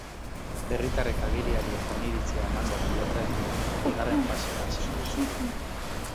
Herritarrek agiriari oniritzia emango baliote, bigarren fasea hasiko litzateke.